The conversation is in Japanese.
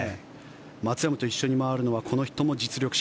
松山と一緒に回るのはこの人も実力者。